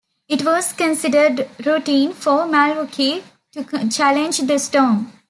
It was considered routine for the "Milwaukee" to challenge the storm.